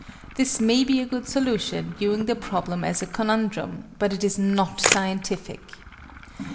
This may be a good solution, viewing the problem as a conundrum: but it is not scientific.